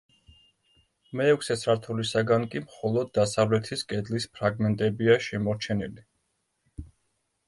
მეექვსე სართულისაგან კი მხოლოდ დასავლეთის კედლის ფრაგმენტებია შემორჩენილი.